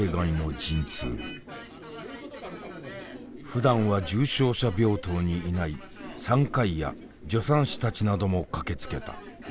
ふだんは重症者病棟にいない産科医や助産師たちなども駆けつけた。